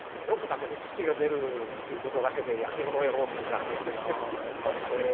よくだけど土が出るっていうことだけでやきものをやろうって決断ができましたね。